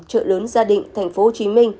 trợ lớn gia đình tp hcm